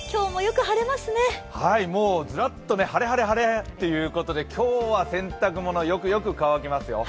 もうずらっと晴れ晴れ晴れということで、今日は洗濯物、よくよく乾きますよ